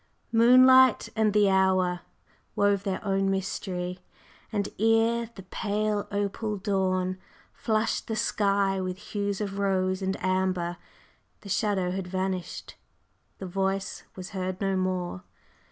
…" Moonlight and the Hour wove their own mystery; and ere the pale opal dawn flushed the sky with hues of rose and amber the Shadow had vanished; the Voice was heard no more.